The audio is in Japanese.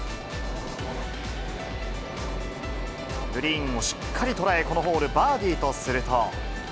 グリーンをしっかり捉え、このホール、バーディーとすると。